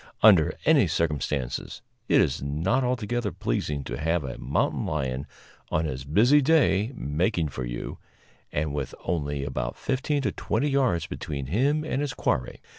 Under any circumstances, it is not altogether pleasing to have a mountain lion, on his busy day, making for you, and with only about fifteen to twenty yards between him and his quarry.